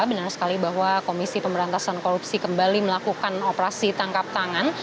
benar sekali bahwa komisi pemberantasan korupsi kembali melakukan operasi tangkap tangan